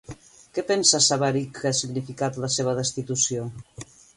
Què pensa Sabarich que ha significat la seva destitució?